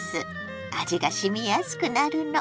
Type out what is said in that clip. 味がしみやすくなるの。